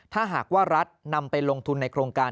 ถ้าหากว่ารัฐนำไปลงทุนในโครงการ